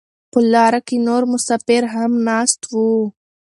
په لاره کې نور مسافر هم ناست وو.